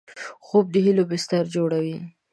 خوب د هیلو بستر جوړوي